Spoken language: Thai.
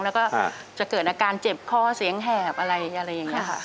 แล้วก็จะเกิดอาการเจ็บคอเสียงแหบอะไรอะไรอย่างนี้ค่ะ